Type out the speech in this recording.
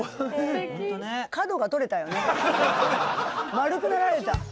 丸くなられた。